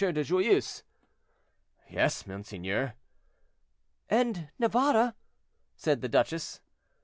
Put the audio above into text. de Joyeuse." "Yes, monseigneur." "And Navarre—" said the duchess.